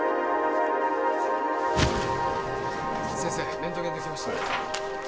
レントゲンできました